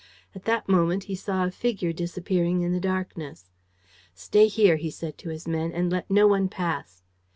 At that moment, he saw a figure disappearing in the darkness. "Stay here," he said to his men, "and let no one pass."